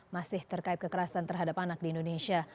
masih terkait kekerasan terhadap anak di indonesia